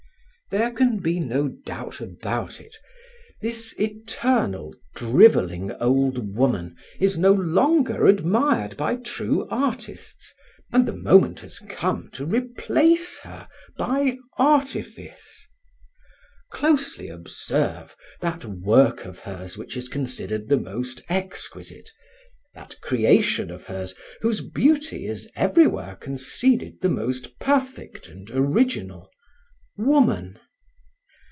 There can be no doubt about it: this eternal, driveling, old woman is no longer admired by true artists, and the moment has come to replace her by artifice. Closely observe that work of hers which is considered the most exquisite, that creation of hers whose beauty is everywhere conceded the most perfect and original woman.